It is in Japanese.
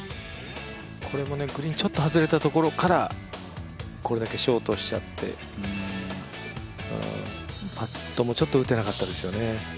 これもグリーンちょっと外れたところからこれだけショートしちゃって、パットもちょっと打てなかったですよね。